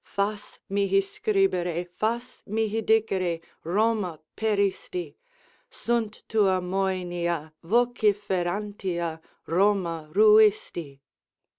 Fas mihi scribere, fas mihi dicere 'Roma, peristi.' Sunt tua moenia vociferantia 'Roma ruisti.'"